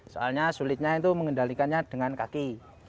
soalnya sulitnya itu mengendalikannya dengan kaki